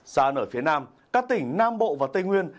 xa nở phía nam các tỉnh nam bộ và tây nguyên